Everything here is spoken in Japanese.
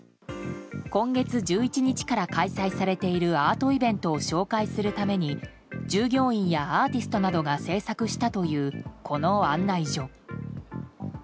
今月１１日から開催されているアートイベントを紹介するために従業員やアーティストなどが制作したというこの案内所。